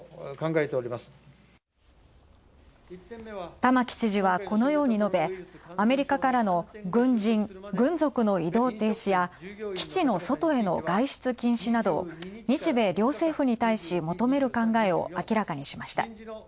玉城知事はこのように述べ、アメリカからの軍人・軍属の移動停止や、基地の外への外出禁止など日米両政府に対し、求める考えを明らかにしました。